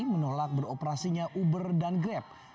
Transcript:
menolak beroperasinya uber dan grab